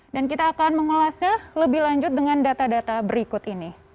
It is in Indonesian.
kita akan mengulasnya lebih lanjut dengan data data berikut ini